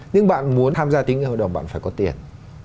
nhưng bạn muốn tham gia tín ngưỡng hầu đồng bạn phải có tiền